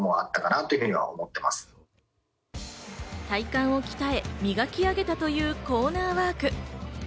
体幹を鍛え、磨き上げたというコーナーワーク。